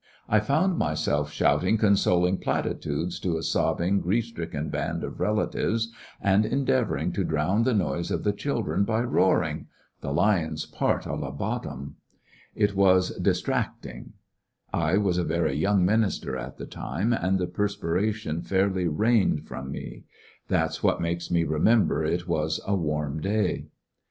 I found myself shout ing consoling platitudes to a sobbing, grief stricken band of relatives, and endeavoring to drown the noise of the children by roaring — the lion's part a la Bottom. It was distract 172 "Missionary in i^e Great West ing. I was a very young minister at the time, and the perspiration fairly rained from me. That 's what makes me remember it was a warm day.